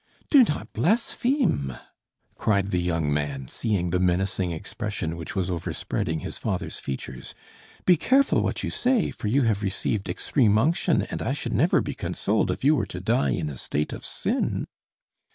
"Do not blaspheme!" cried the young man, seeing the menacing expression which was overspreading his father's features. "Be careful what you say, for you have received extreme unction and I should never be consoled if you were to die in a state of sin."